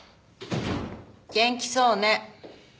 元気そうね。